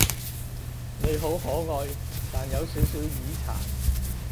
你好可愛，但有少少耳殘